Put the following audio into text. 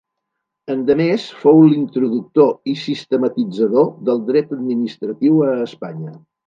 Endemés, fou l'introductor i sistematitzador del Dret administratiu a Espanya.